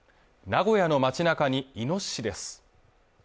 名古屋の街中にイノシシです